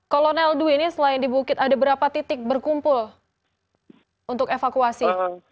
kolonel dwi ini selain di bukit ada berapa titik berkumpul untuk evakuasi